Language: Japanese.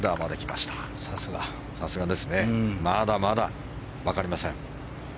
まだまだ分かりません。